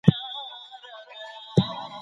هغوی په واده کي ټولنیزې رتبې ته کتل.